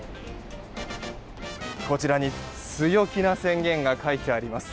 こちらに強気な宣言が書いてあります。